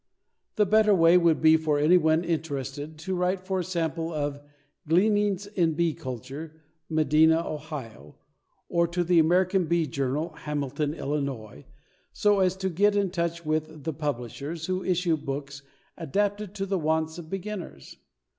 The better way would be for anyone interested to write for a sample of "Gleanings in Bee Culture" Medina, Ohio, or to American Bee Journal, Hamilton, Illinois, so as to get in touch with the publishers, who issue books adapted to the wants of beginners.